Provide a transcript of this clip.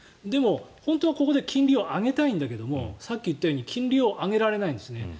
でも、本当はここで金利を上げたいんだけどさっき言ったように金利を上げられないんです。